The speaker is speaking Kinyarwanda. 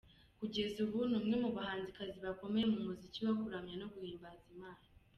Kugeza ubu ni umwe mu bahanzikazi bakomeye mu muziki wo kuramya no guhimbaza Imana.